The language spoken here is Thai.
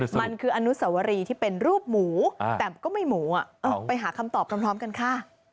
มันคืออนุสวรีที่เป็นรูปหมูแต่ก็ไม่หมูไปหาคำตอบพร้อมกันค่ะ